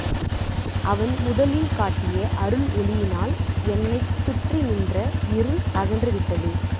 அவன் முதலில் காட்டிய அருள் ஒளியினால் என்னைச் சுற்றி நின்ற இருள் அகன்றுவிட்டது.